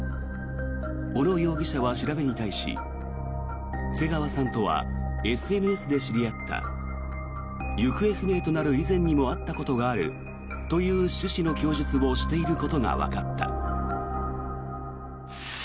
小野容疑者は調べに対し瀬川さんとはＳＮＳで知り合った行方不明となる以前にも会ったことがあるという趣旨の供述をしていることがわかった。